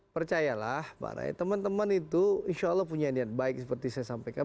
percayalah pak ray teman teman itu insya allah punya niat baik seperti saya sampaikan